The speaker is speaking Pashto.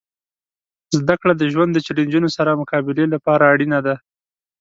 زدهکړه د ژوند د چیلنجونو سره مقابلې لپاره اړینه ده.